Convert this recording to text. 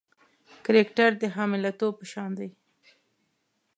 کرکټر د حامله توب په شان دی.